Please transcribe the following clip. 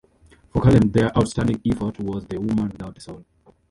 For Kalem their outstanding effort was "The Woman Without a Soul".